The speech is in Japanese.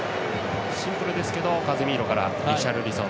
シンプルですけどカゼミーロからリシャルリソン。